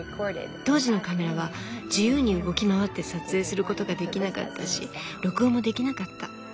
当時のカメラは自由に動き回って撮影することができなかったし録音もできなかった。